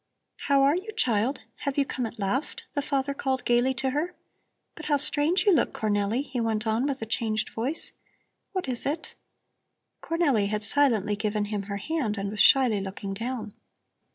"How are you, child? Have you come at last?" the father called gaily to her. "But how strange you look, Cornelli!" he went on with a changed voice. "What is it?" Cornelli had silently given him her hand and was shyly looking down.